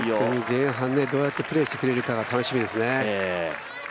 前半どうやってプレーしてくれるかが楽しみですね。